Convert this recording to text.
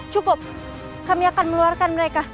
cukup kami akan meluarkan mereka